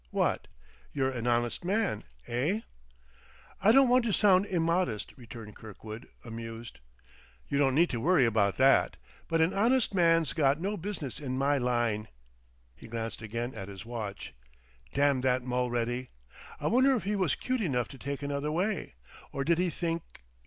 What? You're an honest man, eh?" "I don't want to sound immodest," returned Kirkwood, amused. "You don't need to worry about that.... But an honest man's got no business in my line." He glanced again at his watch. "Damn that Mulready! I wonder if he was 'cute enough to take another way? Or did he think